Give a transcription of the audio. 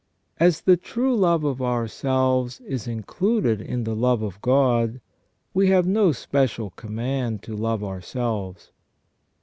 As the true love of ourselves is included in the love of God, we have no special command to love ourselves.